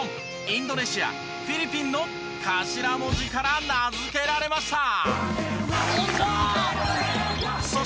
インドネシアフィリピンの頭文字から名付けられました。